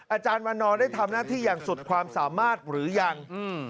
อาจารย์วันนอร์ได้ทำหน้าที่อย่างสุดความสามารถหรือยัง